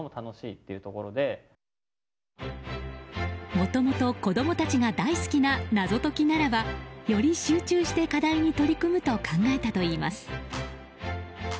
もともと子供たちが大好きな謎解きならばより集中して課題に取り組むと考えたといいます。